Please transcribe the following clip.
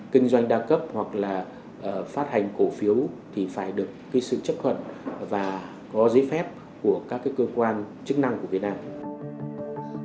kinh doanh đa cấp hoặc là phát hành cổ phiếu thì phải được sự chấp thuận và có giấy phép của các cơ quan chức năng của việt nam